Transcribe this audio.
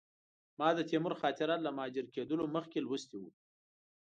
ما د تیمور خاطرات له مهاجر کېدلو مخکې لوستي وو.